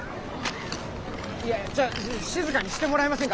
いやちょ静かにしてもらえませんか。